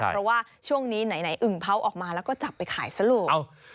เพราะว่าช่วงนี้ไหนอึ่งเผาออกมาแล้วก็จับไปขายซะลูก